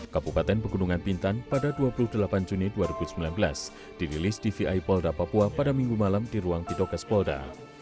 kabupaten pegunungan bintan pada dua puluh delapan juni dua ribu sembilan belas dirilis dvi polda papua pada minggu malam di ruang tidokes polda